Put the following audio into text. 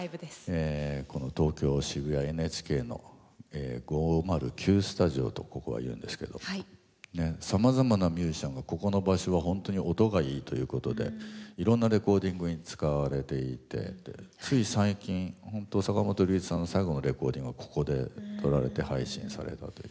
東京・渋谷ＮＨＫの５０９スタジオとここは言うんですけどさまざまなミュージシャンがここの場所は本当に音がいいということでいろんなレコーディングに使われていてつい最近坂本龍一さんの最後のレコーディングはここで録られて配信されたと。